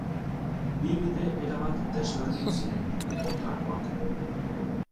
Bi bide erabat desberdin ziren, kontrakoak.